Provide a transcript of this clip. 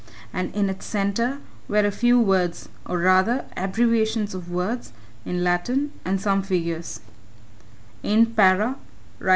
And in its centre were a few words, or, rather abbreviations of words, in Latin, and some figures: In Para.